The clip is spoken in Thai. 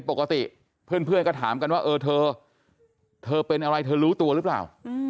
ปกติเพื่อนก็ถามกันว่าเออเธอเธอเป็นอะไรเธอรู้ตัวหรือเปล่า